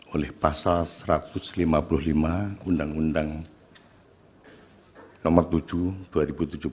oleh pasal satu ratus lima puluh lima undang undang nomor tujuh dua ribu tujuh belas